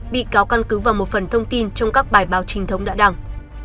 bị cáo căn cứ vào một phần thông tin trong các bài báo trinh thống đã đăng